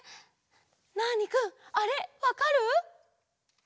ナーニくんあれわかる？